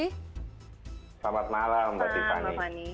selamat malam mbak tiffany